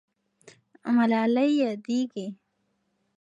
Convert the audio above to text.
ملالۍ یادېږي.